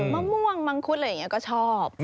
มะม่วงมังคุดอะไรอย่างนี้ก็ชอบ